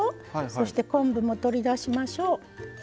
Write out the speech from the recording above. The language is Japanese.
そして、昆布も取り出しましょう。